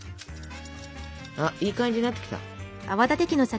あっいい感じになってきた。